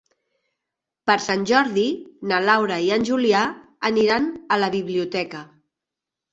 Per Sant Jordi na Laura i en Julià aniran a la biblioteca.